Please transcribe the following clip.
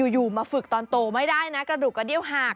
อยู่มาฝึกตอนโตไม่ได้นะกระดูกกระเดี้ยวหาก